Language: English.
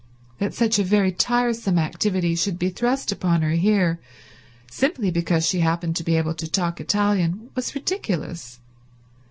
That such a very tiresome activity should be thrust upon her here, simply because she happened to be able to talk Italian, was ridiculous.